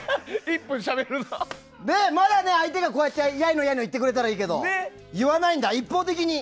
まだ相手がやいのやいの言ってくれればいいけど言わないんだ、一方的に。